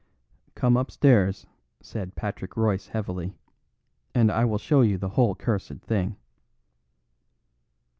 "Come upstairs," said Patrick Royce heavily, "and I will show you the whole cursed thing."